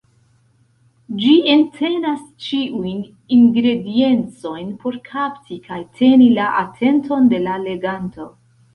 Ĝi entenas ĉiujn ingrediencojn por kapti kaj teni la atenton de la leganto.